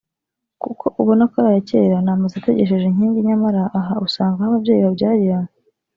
kuko ubona ko ari aya kera ni amazu ategesheje inkingi nyamara aha uhasanga aho ababyeyi babyarira